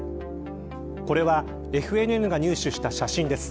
これは、ＦＮＮが入手した写真です。